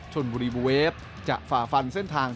ชนบุรีบูเวฟจะฝ่าฟันเส้นทาง